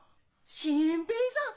新平さん！